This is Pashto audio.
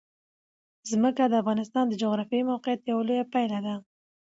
ځمکه د افغانستان د جغرافیایي موقیعت یوه لویه پایله ده.